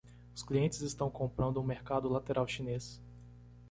Os clientes estão comprando um mercado lateral chinês.